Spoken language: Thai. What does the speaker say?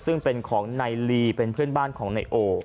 ซึ่งเป็นของนายลีเป็นเพื่อนบ้านของนายโอ